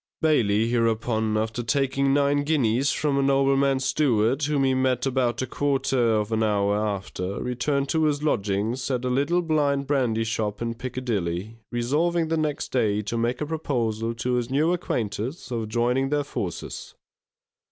Bailey, hereupon, after taking nine guineas from a nobleman's steward, whom he met about a quarter of an hour after, returned to his lodgings at a little blind brandy shop in Piccadilly, resolving the next day to make a proposal to his new acquaintance of joining their forces.